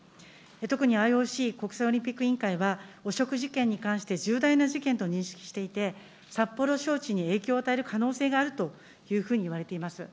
特にＩＯＣ・国際オリンピック委員会は、汚職事件に関して、重大な事件と認識していて、札幌招致に影響を与える可能性があるというふうにいわれています。